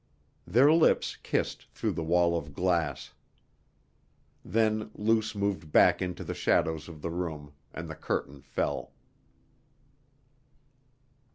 Their lips kissed through the wall of glass. Then Luce moved back into the shadows of the room and the curtain fell.